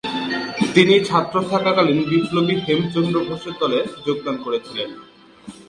তিনি ছাত্র থাকাকালীন বিপ্লবী হেমচন্দ্র ঘোষের দলে যোগদান করেছিলেন।